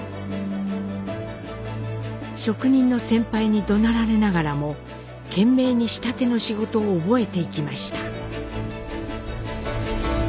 職人の先輩にどなられながらも懸命に仕立ての仕事を覚えていきました。